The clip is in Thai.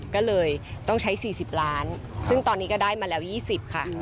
ก็เลยต้องใช้๔๐ล้านซึ่งตอนนี้ก็ได้มาแล้ว๒๐ค่ะ